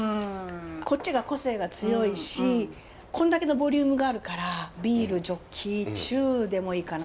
こっちが個性が強いしこんだけのボリュームがあるからビールジョッキ中でもいいかな。